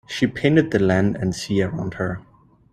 She painted the land and sea around her.